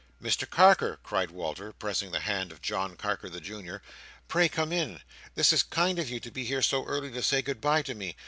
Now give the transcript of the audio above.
"Mr Carker!" cried Walter, pressing the hand of John Carker the Junior. "Pray come in! This is kind of you, to be here so early to say good bye to me.